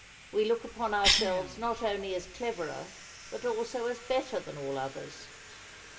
We look upon ourselves not only as cleverer but also as better than all others.